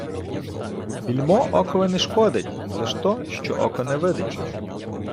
Більмо окови не шкодить, лиш то, що око не видить.